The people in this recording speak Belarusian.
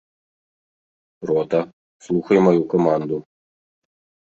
Рота, слухай маю каманду!